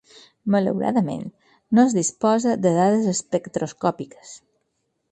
Malauradament no es disposa de dades espectroscòpiques.